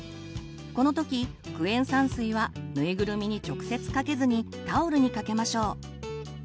この時クエン酸水はぬいぐるみに直接かけずにタオルにかけましょう。